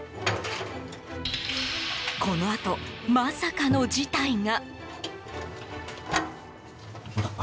このあと、まさかの事態が。